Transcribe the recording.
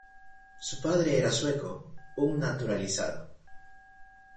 Su padre era sueco, un naturalizado.